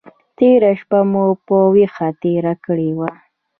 تېره شپه مو په ویښه تېره کړې وه.